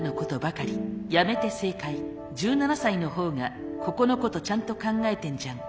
「辞めて正解」「１７才の方がここのことちゃんと考えてんじゃん」